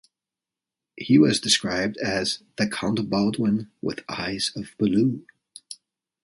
He was described as The Count Baldwin with eyes of blue.